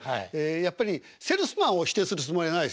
やっぱりセールスマンを否定するつもりはないですよ。